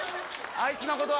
あいつのことは。